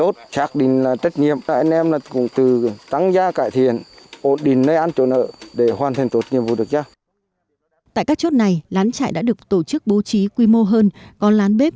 tại các chốt này lán trại đã được tổ chức bố trí quy mô hơn có lán bếp